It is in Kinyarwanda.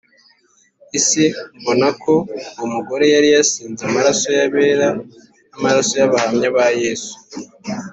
isi Mbona ko uwo mugore yari yasinze amaraso y abera n amaraso y abahamya ba yesu